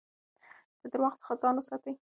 د درواغو څخه ځان وساتئ.